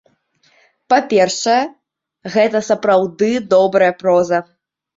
Па-першае, гэта сапраўды добрая проза.